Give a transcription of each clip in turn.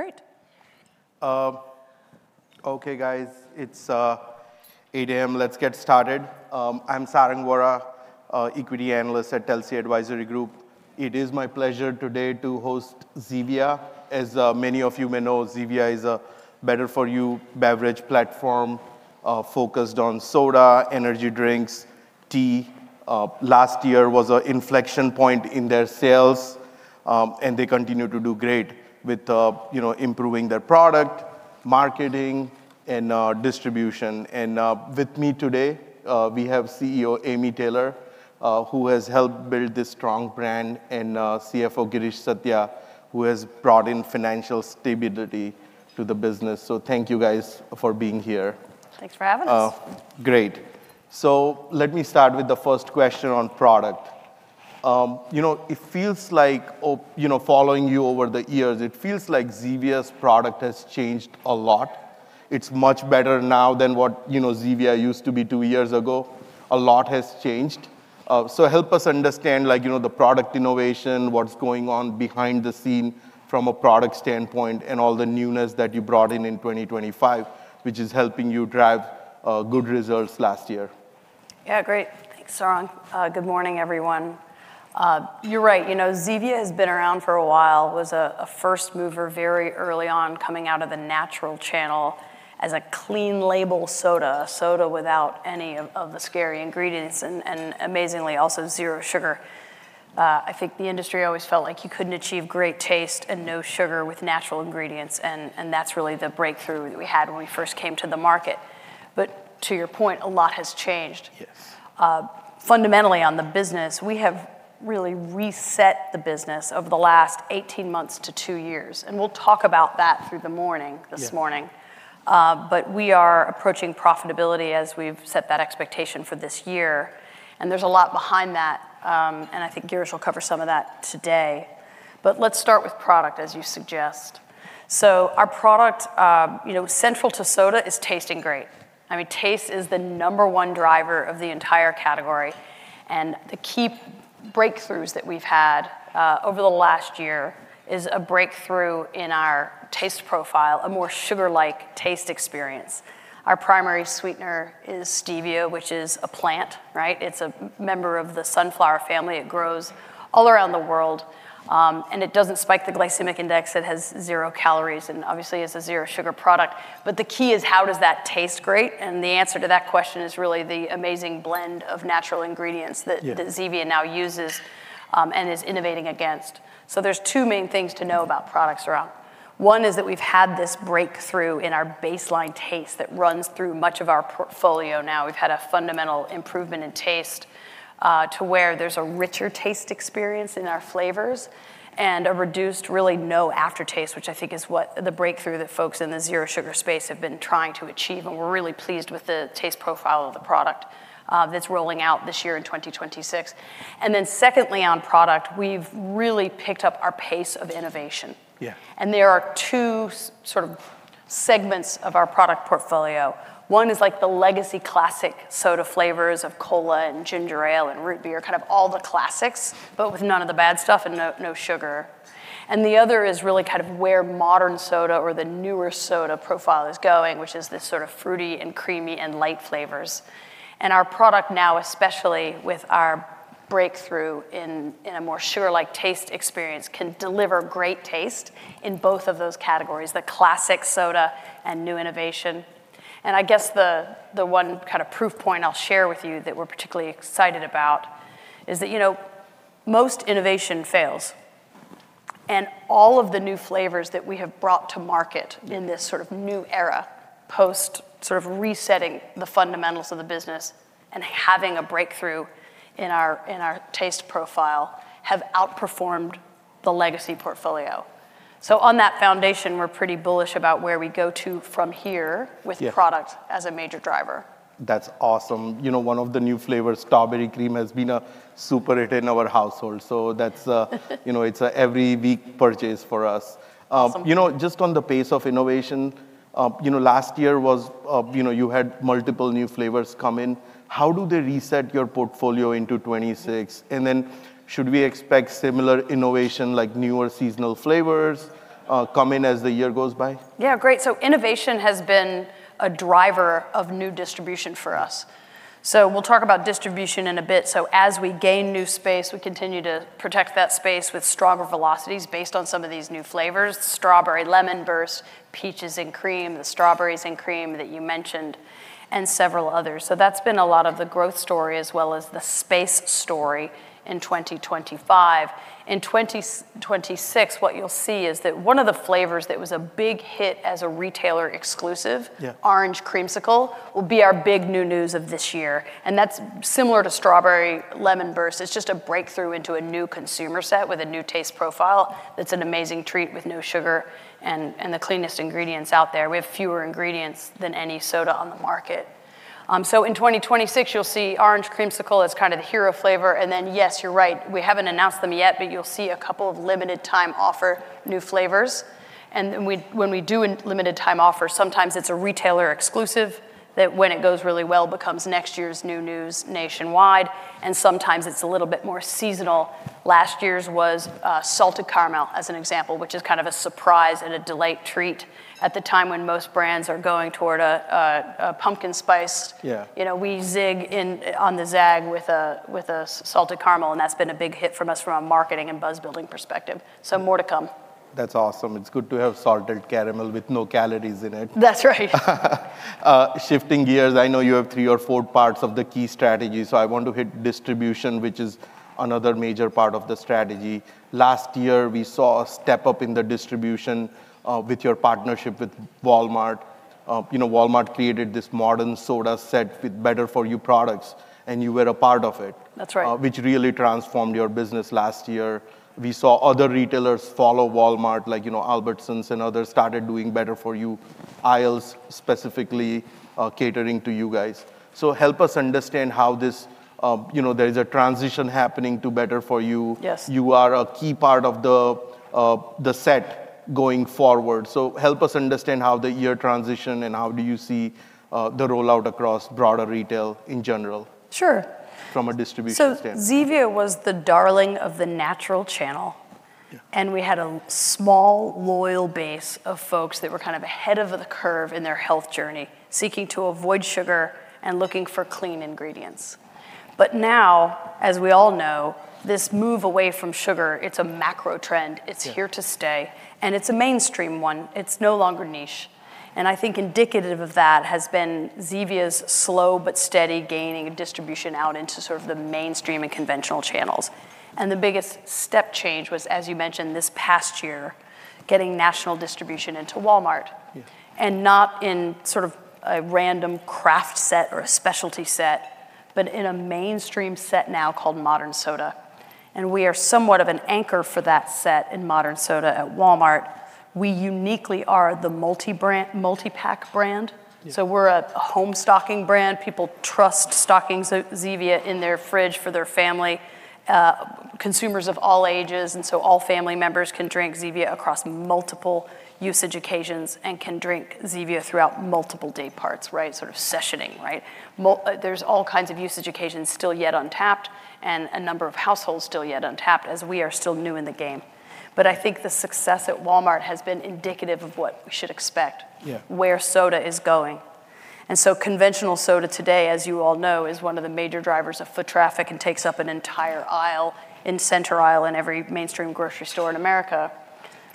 Great. Okay, guys, it's 8:00 A.M. Let's get started. I'm Sarang Vora, Equity Analyst at Telsey Advisory Group. It is my pleasure today to host Zevia. As many of you may know, Zevia is a better-for-you beverage platform focused on soda, energy drinks, and tea. Last year was an inflection point in their sales, and they continue to do great with improving their product, marketing, and distribution and with me today, we have CEO Amy Taylor, who has helped build this strong brand, and CFO Girish Satya, who has brought in financial stability to the business, so thank you, guys, for being here. Thanks for having us. Great. So let me start with the first question on product. It feels like, following you over the years, it feels like Zevia's product has changed a lot. It's much better now than what Zevia used to be two years ago. A lot has changed. So help us understand the product innovation, what's going on behind the scenes from a product standpoint, and all the newness that you brought in in 2025, which is helping you drive good results last year. Yeah, great. Thanks, Sarang. Good morning, everyone. You're right. Zevia has been around for a while, was a first mover very early on, coming out of the natural channel as a clean-label soda, a soda without any of the scary ingredients and, amazingly, also zero sugar. I think the industry always felt like you couldn't achieve great taste and no sugar with natural ingredients, and that's really the breakthrough that we had when we first came to the market. But to your point, a lot has changed. Yes. Fundamentally, on the business, we have really reset the business over the last 18 months to two years, and we'll talk about that through the morning this morning, but we are approaching profitability as we've set that expectation for this year, and there's a lot behind that, and I think Girish will cover some of that today, but let's start with product, as you suggest, so our product, central to soda, is tasting great. I mean, taste is the number one driver of the entire category. And the key breakthroughs that we've had over the last year are a breakthrough in our taste profile, a more sugar-like taste experience. Our primary sweetener is stevia, which is a plant. It's a member of the sunflower family. It grows all around the world, and it doesn't spike the glycemic index. It has zero calories and, obviously, is a zero-sugar product. But the key is, how does that taste great? And the answer to that question is really the amazing blend of natural ingredients that Zevia now uses and is innovating against. So there's two main things to know about products, Sarang. One is that we've had this breakthrough in our baseline taste that runs through much of our portfolio now. We've had a fundamental improvement in taste to where there's a richer taste experience in our flavors and a reduced, really, no aftertaste, which I think is the breakthrough that folks in the zero-sugar space have been trying to achieve. And we're really pleased with the taste profile of the product that's rolling out this year in 2026. And then secondly, on product, we've really picked up our pace of innovation. Yeah. There are two sort of segments of our product portfolio. One is like the legacy classic soda flavors of cola and ginger ale and root beer, kind of all the classics, but with none of the bad stuff and no sugar. The other is really kind of where modern soda or the newer soda profile is going, which is this sort of fruity and creamy and light flavors. Our product now, especially with our breakthrough in a more sugar-like taste experience, can deliver great taste in both of those categories, the classic soda and new innovation. I guess the one kind of proof point I'll share with you that we're particularly excited about is that most innovation fails. All of the new flavors that we have brought to market in this sort of new era, post sort of resetting the fundamentals of the business and having a breakthrough in our taste profile, have outperformed the legacy portfolio. On that foundation, we're pretty bullish about where we go to from here with product as a major driver. That's awesome. One of the new flavors, Strawberry Cream, has been a super hit in our household. So it's an every-week purchase for us. Awesome. Just on the pace of innovation, last year you had multiple new flavors come in. How do they reset your portfolio into 2026, and then should we expect similar innovation, like newer seasonal flavors, coming as the year goes by? Yeah, great. So innovation has been a driver of new distribution for us. So we'll talk about distribution in a bit. So as we gain new space, we continue to protect that space with stronger velocities based on some of these new flavors: Strawberry Lemon Burst, Peaches and Cream, the Strawberries and Cream that you mentioned, and several others. So that's been a lot of the growth story, as well as the space story in 2025. In 2026, what you'll see is that one of the flavors that was a big hit as a retailer exclusive, Orange Creamsicle, will be our big new news of this year. And that's similar to Strawberry Lemon Burst. It's just a breakthrough into a new consumer set with a new taste profile. That's an amazing treat with no sugar and the cleanest ingredients out there. We have fewer ingredients than any soda on the market. So in 2026, you'll see Orange Creamsicle as kind of the hero flavor. And then, yes, you're right. We haven't announced them yet, but you'll see a couple of limited-time offer new flavors. And when we do a limited-time offer, sometimes it's a retailer exclusive that, when it goes really well, becomes next year's new news nationwide. And sometimes it's a little bit more seasonal. Last year's was Salted Caramel, as an example, which is kind of a surprise and a delight treat at the time when most brands are going toward a pumpkin spice. Yeah. We zig on the zag with a Salted Caramel, and that's been a big hit from us from a marketing and buzz-building perspective. So more to come. That's awesome. It's good to have Salted Caramel with no calories in it. That's right. Shifting gears, I know you have three or four parts of the key strategy. So I want to hit distribution, which is another major part of the strategy. Last year, we saw a step up in the distribution with your partnership with Walmart. Walmart created this Modern Soda set with better-for-you products, and you were a part of it. That's right. Which really transformed your business last year. We saw other retailers follow Walmart, like Albertsons and others, started doing better-for-you aisles, specifically catering to you guys. So help us understand how there is a transition happening to better-for-you. Yes. You are a key part of the set going forward. So help us understand how the year transitioned, and how do you see the rollout across broader retail in general? Sure. From a distribution standpoint. Zevia was the darling of the natural channel. And we had a small, loyal base of folks that were kind of ahead of the curve in their health journey, seeking to avoid sugar and looking for clean ingredients. But now, as we all know, this move away from sugar, it's a macro trend. It's here to stay, and it's a mainstream one. It's no longer niche. And I think indicative of that has been Zevia's slow but steady gaining distribution out into sort of the mainstream and conventional channels. And the biggest step change was, as you mentioned, this past year, getting national distribution into Walmart. Yeah. And not in sort of a random craft set or a specialty set, but in a mainstream set now called Modern Soda. And we are somewhat of an anchor for that set in Modern Soda at Walmart. We uniquely are the multi-pack brand. So we're a home stocking brand. People trust stocking Zevia in their fridge for their family. Consumers of all ages, and so all family members can drink Zevia across multiple usage occasions and can drink Zevia throughout multiple dayparts, right, sort of sessioning, right? There's all kinds of usage occasions still yet untapped and a number of households still yet untapped as we are still new in the game. But I think the success at Walmart has been indicative of what we should expect. Yeah. Where soda is going. And so conventional soda today, as you all know, is one of the major drivers of foot traffic and takes up an entire aisle in center aisle and every mainstream grocery store in America.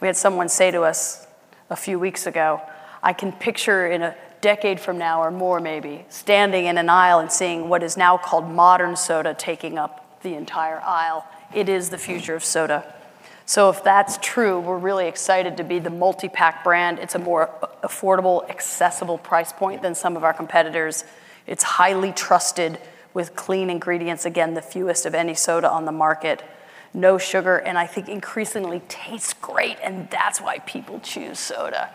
We had someone say to us a few weeks ago, "I can picture in a decade from now or more, maybe, standing in an aisle and seeing what is now called Modern Soda taking up the entire aisle. It is the future of soda." So if that's true, we're really excited to be the multi-pack brand. It's a more affordable, accessible price point than some of our competitors. It's highly trusted with clean ingredients, again, the fewest of any soda on the market, no sugar, and I think increasingly tastes great, and that's why people choose soda.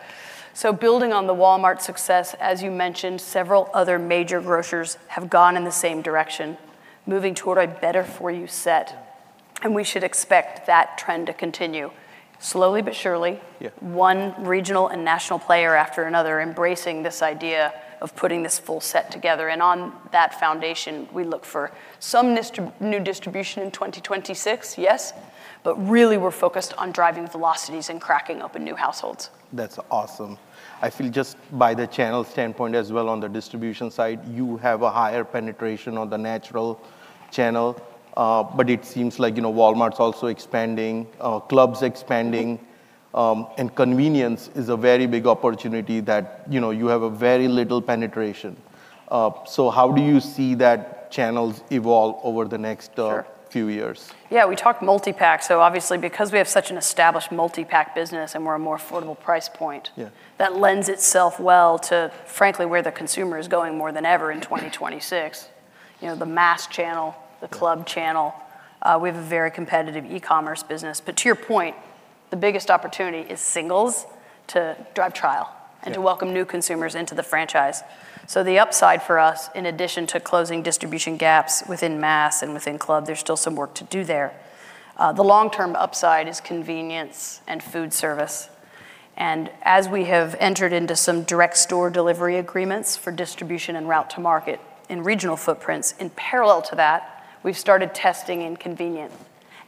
So building on the Walmart success, as you mentioned, several other major grocers have gone in the same direction, moving toward a better-for-you set. And we should expect that trend to continue slowly but surely. Yeah. One regional and national player after another embracing this idea of putting this full set together, and on that foundation, we look for some new distribution in 2026, yes, but really we're focused on driving velocities and cracking open new households. That's awesome. I feel just by the channel standpoint as well on the distribution side, you have a higher penetration on the natural channel. But it seems like Walmart's also expanding, clubs expanding, and convenience is a very big opportunity that you have a very little penetration. So how do you see that channels evolve over the next few years? Sure. Yeah, we talk multi-pack, so obviously, because we have such an established multi-pack business and we're a more affordable price point, that lends itself well to, frankly, where the consumer is going more than ever in 2026. The mass channel, the club channel. We have a very competitive e-commerce business, but to your point, the biggest opportunity is singles to drive trial and to welcome new consumers into the franchise, so the upside for us, in addition to closing distribution gaps within mass and within club, there's still some work to do there. The long-term upside is convenience and food service, and as we have entered into some direct store delivery agreements for distribution and route to market in regional footprints, in parallel to that, we've started testing in convenience,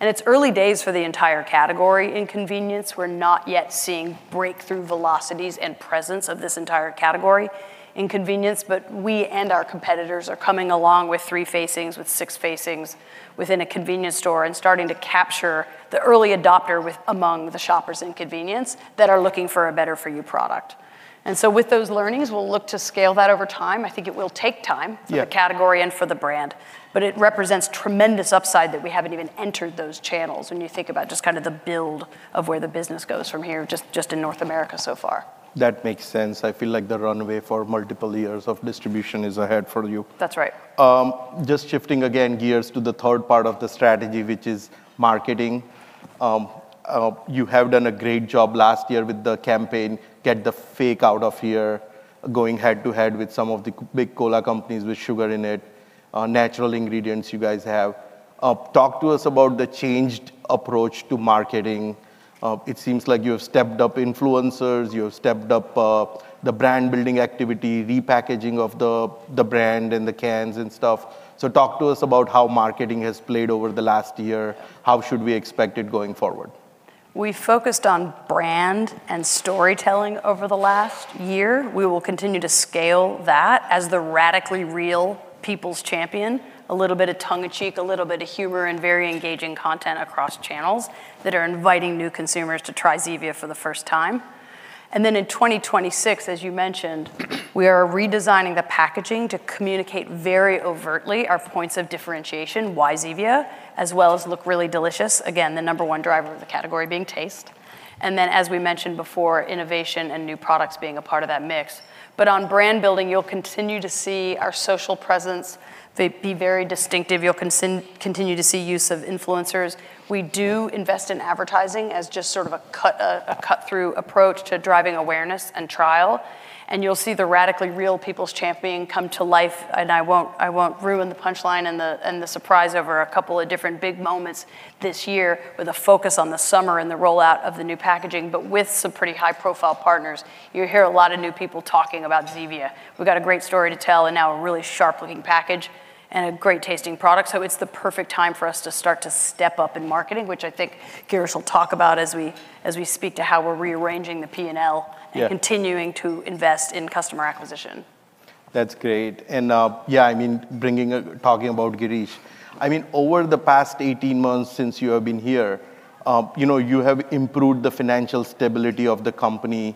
and it's early days for the entire category in convenience. We're not yet seeing breakthrough velocities and presence of this entire category in convenience. But we and our competitors are coming along with three-facings, with six-facings within a convenience store and starting to capture the early adopter among the shoppers in convenience that are looking for a better-for-you product. And so with those learnings, we'll look to scale that over time. I think it will take time for the category and for the brand, but it represents tremendous upside that we haven't even entered those channels when you think about just kind of the build of where the business goes from here just in North America so far. That makes sense. I feel like the runway for multiple years of distribution is ahead for you. That's right. Just shifting again gears to the third part of the strategy, which is marketing. You have done a great job last year with the campaign, "Get the Fake Out of Here," going head-to-head with some of the big cola companies with sugar in it, natural ingredients you guys have. Talk to us about the changed approach to marketing. It seems like you have stepped up influencers. You have stepped up the brand-building activity, repackaging of the brand and the cans and stuff. So talk to us about how marketing has played over the last year. How should we expect it going forward? We focused on brand and storytelling over the last year. We will continue to scale that as the Radically Real people's champion, a little bit of tongue-in-cheek, a little bit of humor, and very engaging content across channels that are inviting new consumers to try Zevia for the first time. And then in 2026, as you mentioned, we are redesigning the packaging to communicate very overtly our points of differentiation, why Zevia, as well as look really delicious, again, the number one driver of the category being taste, and then, as we mentioned before, innovation and new products being a part of that mix, but on brand building, you'll continue to see our social presence be very distinctive. You'll continue to see use of influencers. We do invest in advertising as just sort of a cut-through approach to driving awareness and trial. And you'll see the Radically Real people's champion come to life. And I won't ruin the punchline and the surprise over a couple of different big moments this year with a focus on the summer and the rollout of the new packaging, but with some pretty high-profile partners. You hear a lot of new people talking about Zevia. We've got a great story to tell and now a really sharp-looking package and a great tasting product. So it's the perfect time for us to start to step up in marketing, which I think Girish will talk about as we speak to how we're rearranging the P&L and continuing to invest in customer acquisition. That's great. And yeah, I mean, talking about Girish, I mean, over the past 18 months since you have been here, you have improved the financial stability of the company.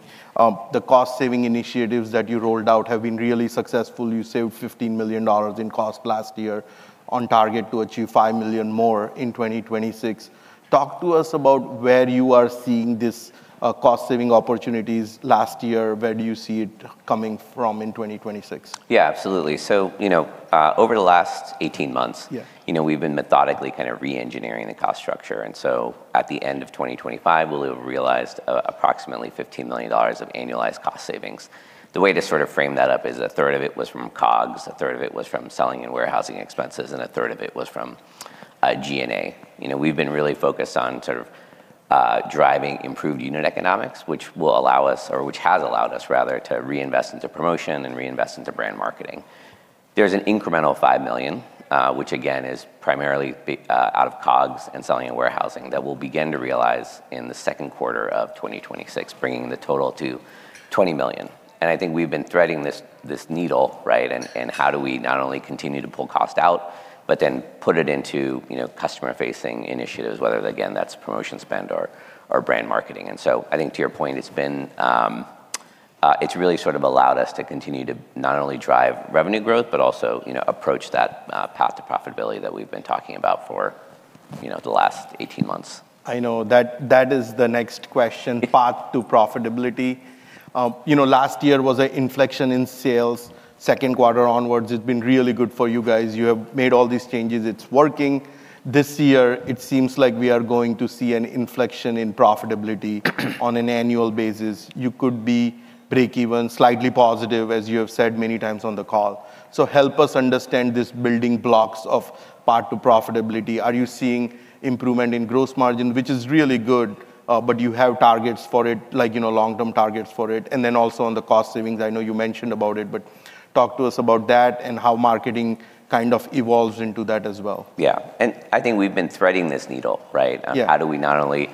The cost-saving initiatives that you rolled out have been really successful. You saved $15 million in cost last year on target to achieve $5 million more in 2026. Talk to us about where you are seeing these cost-saving opportunities last year? Where do you see it coming from in 2026? Yeah, absolutely. So over the last 18 months, we've been methodically kind of re-engineering the cost structure, and so at the end of 2025, we'll have realized approximately $15 million of annualized cost savings. The way to sort of frame that up is a third of it was from COGS. A third of it was from selling and warehousing expenses, and a third of it was from G&A. We've been really focused on sort of driving improved unit economics, which will allow us, or which has allowed us, rather, to reinvest into promotion and reinvest into brand marketing. There's an incremental $5 million, which again is primarily out of COGS and selling and warehousing that we'll begin to realize in the second quarter of 2026, bringing the total to $20 million. And I think we've been threading this needle, right, and how do we not only continue to pull cost out, but then put it into customer-facing initiatives, whether again that's promotion spend or brand marketing. And so I think to your point, it's really sort of allowed us to continue to not only drive revenue growth, but also approach that path to profitability that we've been talking about for the last 18 months. I know that is the next question. Path to profitability. Last year was an inflection in sales. Second quarter onwards, it's been really good for you guys. You have made all these changes. It's working. This year, it seems like we are going to see an inflection in profitability on an annual basis. You could be break-even, slightly positive, as you have said many times on the call. So help us understand these building blocks of path to profitability. Are you seeing improvement in gross margin, which is really good, but you have targets for it, like long-term targets for it? And then also on the cost savings, I know you mentioned about it, but talk to us about that and how marketing kind of evolves into that as well. Yeah. And I think we've been threading this needle, right? Yeah. How do we not only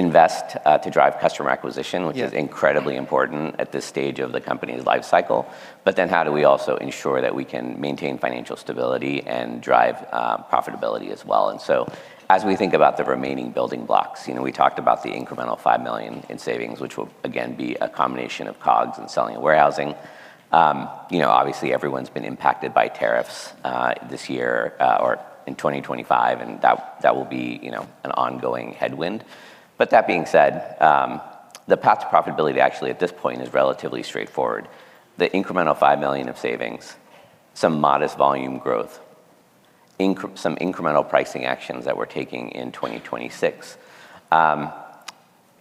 invest to drive customer acquisition, which is incredibly important at this stage of the company's life cycle, but then how do we also ensure that we can maintain financial stability and drive profitability as well? And so as we think about the remaining building blocks, we talked about the incremental $5 million in savings, which will again be a combination of COGS and selling and warehousing. Obviously, everyone's been impacted by tariffs this year or in 2025, and that will be an ongoing headwind. But that being said, the path to profitability actually at this point is relatively straightforward. The incremental $5 million of savings, some modest volume growth, some incremental pricing actions that we're taking in 2026.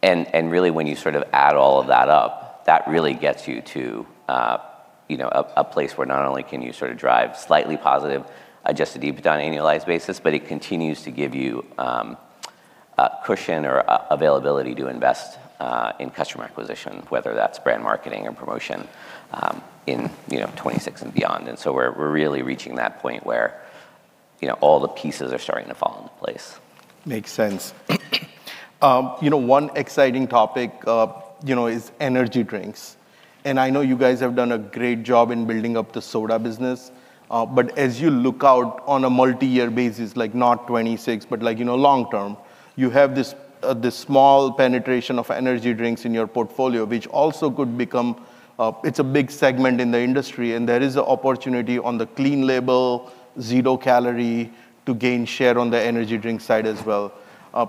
Really, when you sort of add all of that up, that really gets you to a place where not only can you sort of drive slightly positive Adjusted EBITDA on an annualized basis, but it continues to give you cushion or availability to invest in customer acquisition, whether that's brand marketing or promotion in 2026 and beyond. And so we're really reaching that point where all the pieces are starting to fall into place. Makes sense. One exciting topic is energy drinks. And I know you guys have done a great job in building up the soda business, but as you look out on a multi-year basis, like not 2026, but long-term, you have this small penetration of energy drinks in your portfolio, which also could become a big segment in the industry. And there is an opportunity on the clean label, zero-calorie to gain share on the energy drink side as well.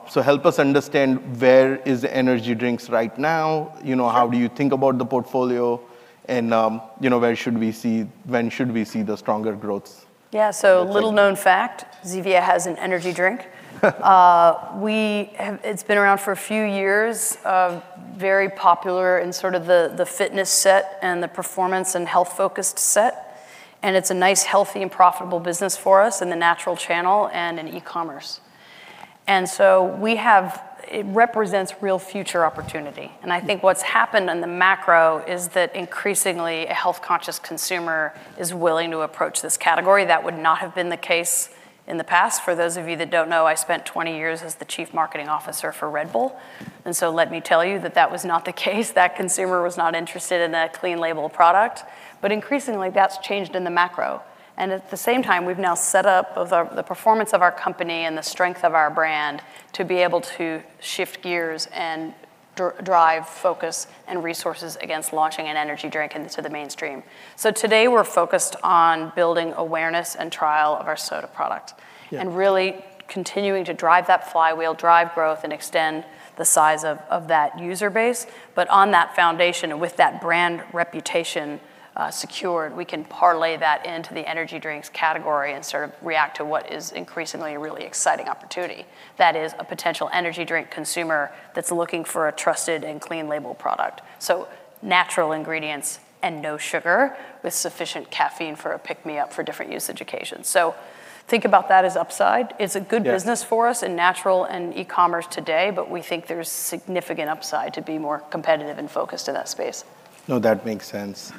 So help us understand where are the energy drinks right now? How do you think about the portfolio? And where should we see? When should we see the stronger growths? Yeah, so little-known fact, Zevia has an energy drink. It's been around for a few years, very popular in sort of the fitness set and the performance and health-focused set. And it's a nice, healthy, and profitable business for us in the natural channel and in e-commerce. And so it represents real future opportunity. And I think what's happened on the macro is that increasingly a health-conscious consumer is willing to approach this category. That would not have been the case in the past. For those of you that don't know, I spent 20 years as the Chief Marketing Officer for Red Bull. And so let me tell you that that was not the case. That consumer was not interested in a clean-label product. But increasingly, that's changed in the macro. And at the same time, we've now set up the performance of our company and the strength of our brand to be able to shift gears and drive focus and resources against launching an energy drink into the mainstream, so today, we're focused on building awareness and trial of our soda product and really continuing to drive that flywheel, drive growth, and extend the size of that user base, but on that foundation, with that brand reputation secured, we can parlay that into the energy drinks category and sort of react to what is increasingly a really exciting opportunity. That is a potential energy drink consumer that's looking for a trusted and clean-label product, so natural ingredients and no sugar with sufficient caffeine for a pick-me-up for different use occasions, so think about that as upside. It's a good business for us in natural and e-commerce today, but we think there's significant upside to be more competitive and focused in that space. No, that makes sense.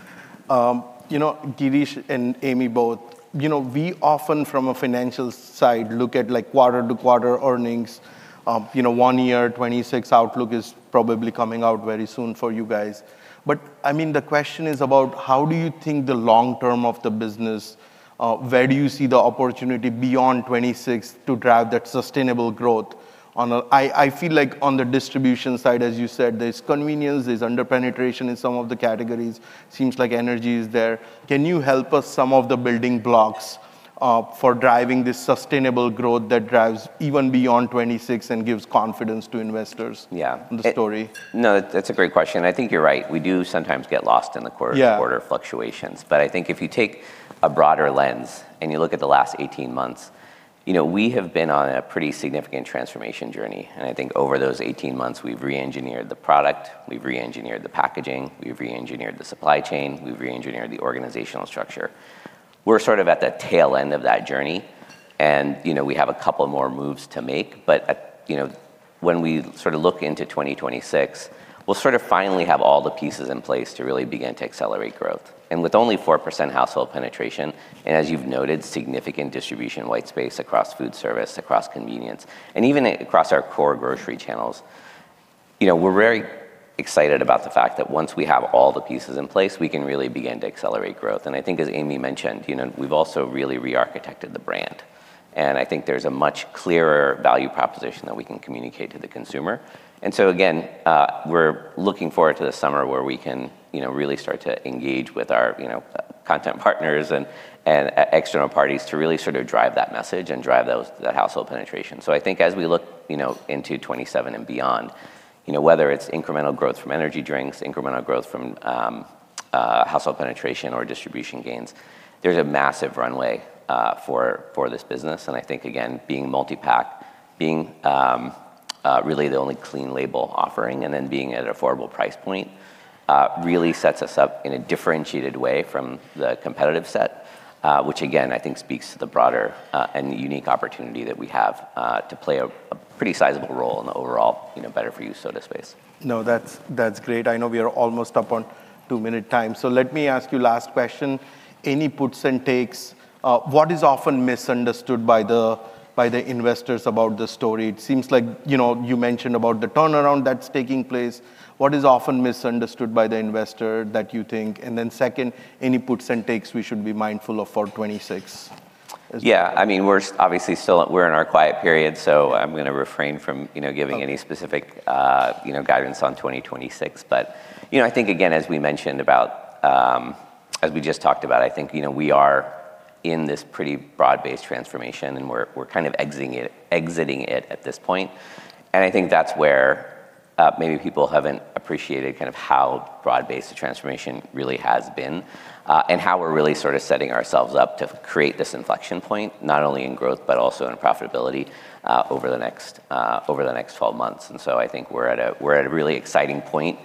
Girish and Amy both, we often from a financial side look at quarter-to-quarter earnings. One-year 2026 outlook is probably coming out very soon for you guys. But I mean, the question is about how do you think the long term of the business, where do you see the opportunity beyond 2026 to drive that sustainable growth? I feel like on the distribution side, as you said, there's convenience, there's under-penetration in some of the categories. Seems like energy is there. Can you help us some of the building blocks for driving this sustainable growth that drives even beyond 2026 and gives confidence to investors in the story? Yeah. No, that's a great question. I think you're right. We do sometimes get lost in the quarter-to-quarter fluctuations. But I think if you take a broader lens and you look at the last 18 months, we have been on a pretty significant transformation journey. And I think over those 18 months, we've re-engineered the product, we've re-engineered the packaging, we've re-engineered the supply chain, we've re-engineered the organizational structure. We're sort of at the tail end of that journey, and we have a couple more moves to make. But when we sort of look into 2026, we'll sort of finally have all the pieces in place to really begin to accelerate growth. With only 4% household penetration, and as you've noted, significant distribution white space across food service, across convenience, and even across our core grocery channels, we're very excited about the fact that once we have all the pieces in place, we can really begin to accelerate growth. And I think as Amy mentioned, we've also really re-architected the brand. And I think there's a much clearer value proposition that we can communicate to the consumer. And so again, we're looking forward to the summer where we can really start to engage with our content partners and external parties to really sort of drive that message and drive that household penetration. So I think as we look into 2027 and beyond, whether it's incremental growth from energy drinks, incremental growth from household penetration or distribution gains, there's a massive runway for this business. I think again, being multi-pack, being really the only clean-label offering, and then being at an affordable price point really sets us up in a differentiated way from the competitive set, which again, I think speaks to the broader and unique opportunity that we have to play a pretty sizable role in the overall better-for-you soda space. No, that's great. I know we are almost up on two-minute time. So let me ask you last question. Any puts and takes? What is often misunderstood by the investors about the story? It seems like you mentioned about the turnaround that's taking place. What is often misunderstood by the investor that you think? And then second, any puts and takes we should be mindful of for 2026? Yeah. I mean, we're obviously still in our quiet period, so I'm going to refrain from giving any specific guidance on 2026. But I think again, as we mentioned about, as we just talked about, I think we are in this pretty broad-based transformation, and we're kind of exiting it at this point. And I think that's where maybe people haven't appreciated kind of how broad-based the transformation really has been and how we're really sort of setting ourselves up to create this inflection point, not only in growth, but also in profitability over the next 12 months. And so I think we're at a really exciting point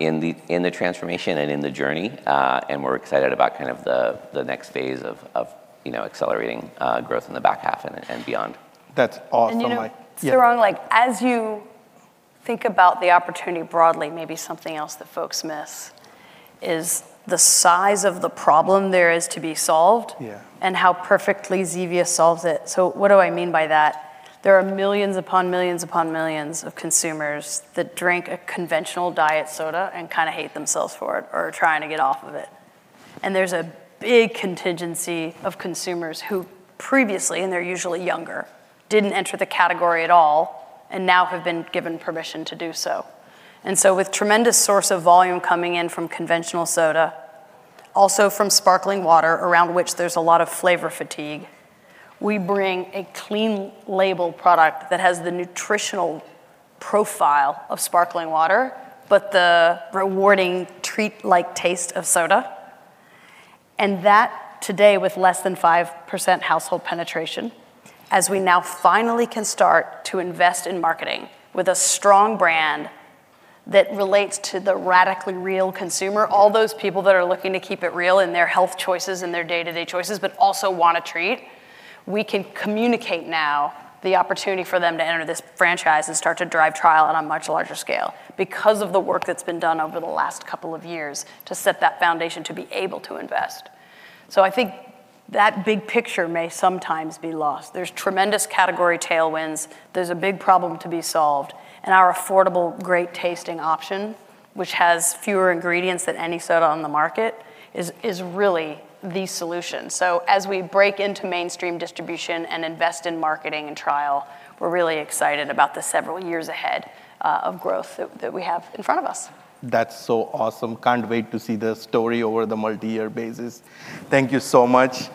in the transformation and in the journey. And we're excited about kind of the next phase of accelerating growth in the back half and beyond. That's awesome. Sarang. As you think about the opportunity broadly, maybe something else that folks miss is the size of the problem there is to be solved and how perfectly Zevia solves it. What do I mean by that? There are millions upon millions upon millions of consumers that drink a conventional diet soda and kind of hate themselves for it or are trying to get off of it. There's a big contingent of consumers who previously, and they're usually younger, didn't enter the category at all and now have been given permission to do so. With tremendous source of volume coming in from conventional soda, also from sparkling water around which there's a lot of flavor fatigue, we bring a clean label product that has the nutritional profile of sparkling water, but the rewarding treat-like taste of soda. And that today, with less than 5% household penetration, as we now finally can start to invest in marketing with a strong brand that relates to the Radically Real consumer, all those people that are looking to keep it real in their health choices, in their day-to-day choices, but also want a treat, we can communicate now the opportunity for them to enter this franchise and start to drive trial on a much larger scale because of the work that's been done over the last couple of years to set that foundation to be able to invest. So I think that big picture may sometimes be lost. There's tremendous category tailwinds. There's a big problem to be solved. And our affordable, great-tasting option, which has fewer ingredients than any soda on the market, is really the solution. So as we break into mainstream distribution and invest in marketing and trial, we're really excited about the several years ahead of growth that we have in front of us. That's so awesome. Can't wait to see the story over the multi-year basis. Thank you so much.